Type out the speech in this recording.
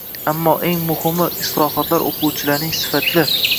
Ammo, eng muhimi, islohotlar o‘quvchilarning sifatli